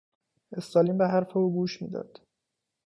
استالین به حرف او گوش میداد.